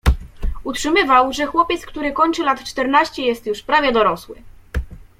Utrzymywał, że chłopiec, który kończy lat czternaście jest już prawie dorosły.